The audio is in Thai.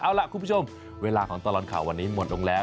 เอาล่ะคุณผู้ชมเวลาของตลอดข่าววันนี้หมดลงแล้ว